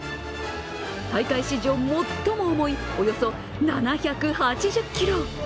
大会史上最も重いおよそ７８０ｋｇ。